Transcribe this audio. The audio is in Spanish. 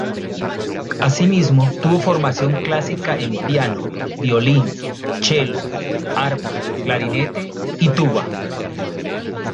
Así mismo tuvo formación clásica en piano, violín, chelo, arpa, clarinete y tuba.